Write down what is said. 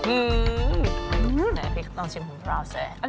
อืมเหมือนกับพริกลองชิมของเราซ้วน